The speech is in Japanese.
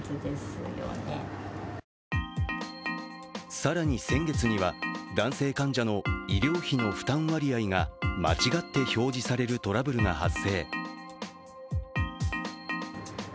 更に先月には男性患者の医療費の負担割合が間違って表示されるトラブルが発生。